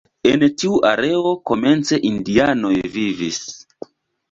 En tiu areo komence indianoj vivis.